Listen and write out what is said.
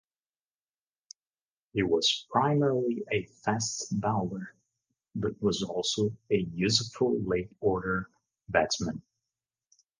He was primarily a fast bowler, but was also a useful late-order batsman.